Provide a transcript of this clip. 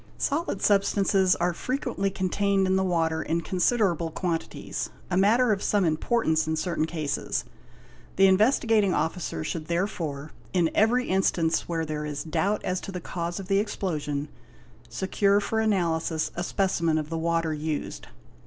Solid substances are frequently contained in the water in considerable quantities, a matter of some importance in certain cases. The Investigating Officer should therefore, in every instance where there is doubt as to the cause of the explosion, secure for analysis a specimen of the water used.